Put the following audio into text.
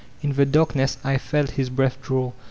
In the darkness I felt his breath draw.